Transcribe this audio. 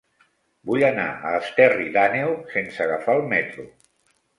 Vull anar a Esterri d'Àneu sense agafar el metro.